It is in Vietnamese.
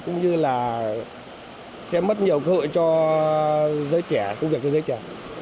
như là sẽ mất nhiều cơ hội cho giới trẻ công việc cho giới trẻ